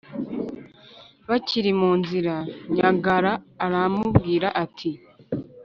bakiri mu nzira, nyangara aramubwira, ati